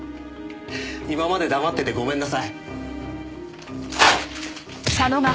今まで黙っててごめんなさい。